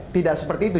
tidak seperti itu